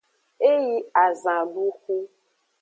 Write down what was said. E yi azanduxu.